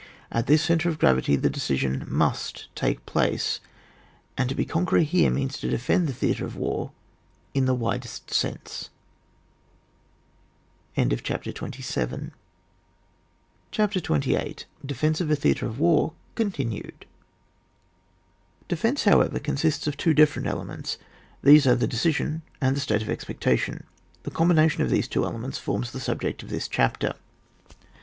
At this centre of gravity the decision must take place, and to be conqueror here means to defend the theatre of war in the widest sense. CHAPTER XXVIII. DEFENCE OF A THEATRE OF WAR— (ooNTnnjBD). Defence, however, consists of two dif ferent elements, these are the decision and the state of expectation. The com bination of these two elements forms the subject of this chapter.